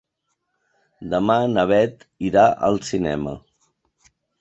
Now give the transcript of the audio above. Demà na Bet irà al cinema.